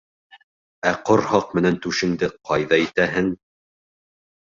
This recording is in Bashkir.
— Ә ҡорһаҡ менән түшеңде ҡайҙа итәһең?